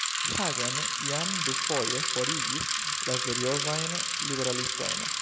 Hagen jam dufoje forigis la seriozajn liberalistojn.